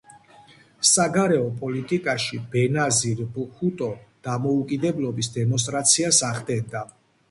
საგარეო პოლიტიკაში ბენაზირ ბჰუტო დამოუკიდებლობის დემონსტრაციას ახდენდა.